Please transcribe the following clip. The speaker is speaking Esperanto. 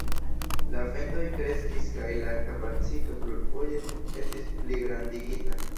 La vendoj kreskis kaj la kapacito plurfoje estis pligrandigita.